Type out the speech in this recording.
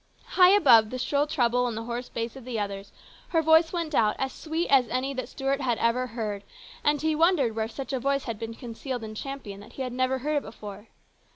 High above the shrill treble and the hoarse bass of the others her voice went out as sweet as any that Stuart had ever heard, and he wondered where such a voice had been concealed in Champion that he had never heard it before.